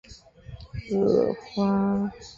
紫花橐吾是菊科橐吾属的植物。